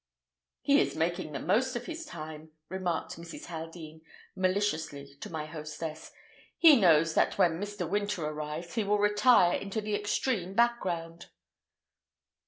"He is making the most of his time," remarked Mrs. Haldean maliciously to my hostess. "He knows that when Mr. Winter arrives he will retire into the extreme background."